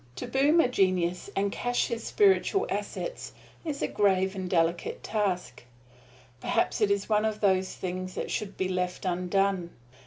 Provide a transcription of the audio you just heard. To boom a genius and cash his spiritual assets is a grave and delicate task perhaps it is one of those things that should be left undone.